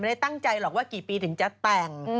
ได้ตั้งใจหรอกว่ากี่ปีถึงจะแต่ง